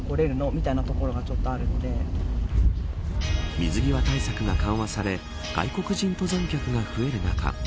水際対策が緩和され外国人登山客が増える中